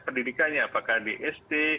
pendidikannya apakah di st